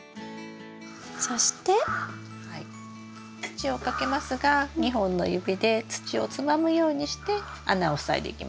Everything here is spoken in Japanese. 土をかけますが２本の指で土をつまむようにして穴を塞いでいきます。